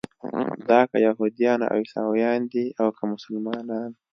دا که یهودیان او عیسویان دي او که مسلمانان.